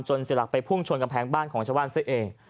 เสียหลักไปพุ่งชนกำแพงบ้านของชาวบ้านซะเอง